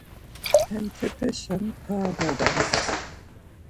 Hemtepeşen para mogams.